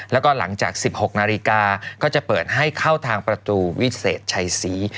แล้วก็หลังจาก๑๖นาฬิกาก็จะเปิดให้เข้าทางประตูวิเศษชัยศรี